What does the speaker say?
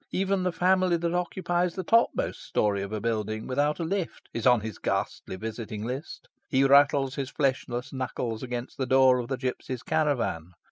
Even the family that occupies the topmost story of a building without a lift is on his ghastly visiting list. He rattles his fleshless knuckles against the door of the gypsy's caravan.